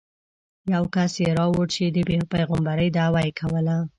یو کس یې راوړ چې د پېغمبرۍ دعوه یې کوله.